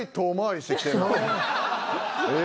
ええ？